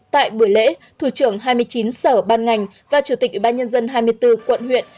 tại buổi lễ thủ trưởng hai mươi chín sở ban ngành và chủ tịch ủy ban nhân dân hai mươi bốn quận huyện